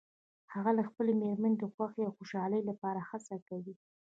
هغه د خپلې مېرمنې د خوښې او خوشحالۍ لپاره هڅه کوي